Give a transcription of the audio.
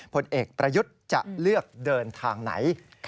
ผลเอกประยุทธ์จะเลือกเดินทางไหน